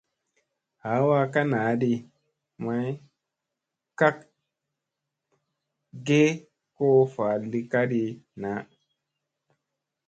Ɦawa ka naa ɗi may kak ge ko vaa li ka di na.